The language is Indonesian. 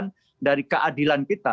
ini sudah menjadi bagian dari keadilan kita